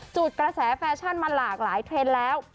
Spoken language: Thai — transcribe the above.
จุดกระแสแฟชั่นมาหลากหลายเทรนด์แล้ว